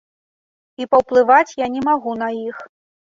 І паўплываць я не магу на іх.